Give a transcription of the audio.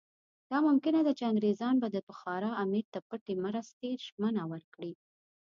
دا ممکنه ده چې انګریزان به د بخارا امیر ته پټې مرستې ژمنه ورکړي.